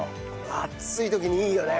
暑い時にいいよね。